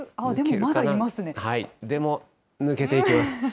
でも抜けていきます。